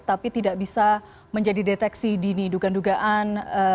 tapi tidak bisa menjadi deteksi dini dugaan dugaan